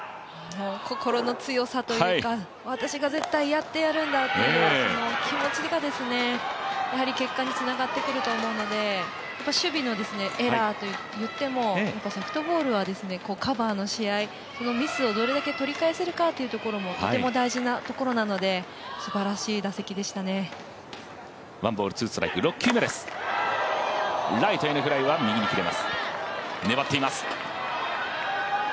心の強さというか、私が絶対やってやるんだという気持ちが、やはり結果につながってくると思うので守備のエラーといってもソフトボールはカバーのし合いミスをどれだけ取り返せるかもとても大事なところなので、すばらしい打席でしたね。粘っています。